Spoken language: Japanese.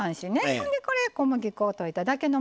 ほんでこれ小麦粉を溶いただけのものにします。